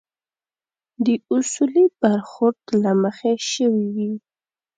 د اصولي برخورد له مخې شوي وي.